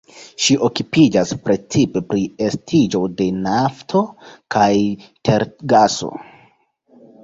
Ŝi okupiĝas precipe pri estiĝo de nafto kaj tergaso.